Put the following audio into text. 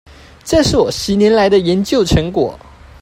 這是我十年來的研究成果